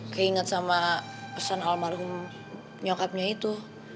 keinget sama pesan almarhum nyokapnya itu